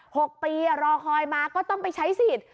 หกปีรอคอยมาก็ต้องไปใช้สิทธิ์